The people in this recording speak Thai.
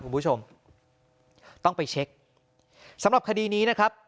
คุณผู้ชมต้องไปเช็คสำหรับคดีนี้นะครับ